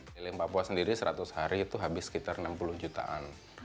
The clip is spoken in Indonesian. di ling papua sendiri seratus hari itu habis sekitar enam puluh jutaan